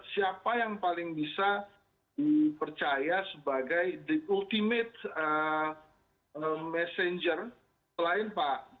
siapa yang paling bisa dipercaya sebagai the ultimate messenger selain pak